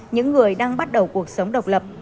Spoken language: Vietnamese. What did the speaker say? những người đang bắt đầu cuộc sống độc lập